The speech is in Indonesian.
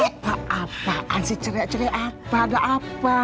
apa apaan sih cerai cerai apa ada apa